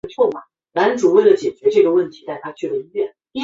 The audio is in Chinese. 从掉下地球的小行星可以找出更早的岩石。